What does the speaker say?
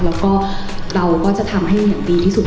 แล้วก็เราก็จะทำให้ดีที่สุด